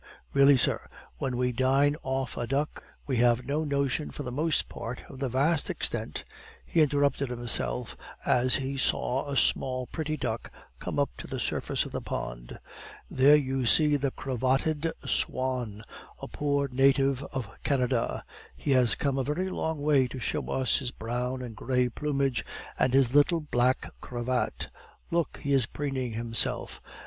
Really, sir, when we dine off a duck, we have no notion for the most part of the vast extent " He interrupted himself as he saw a small pretty duck come up to the surface of the pond. "There you see the cravatted swan, a poor native of Canada; he has come a very long way to show us his brown and gray plumage and his little black cravat! Look, he is preening himself.